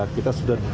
kita sudah dipercaya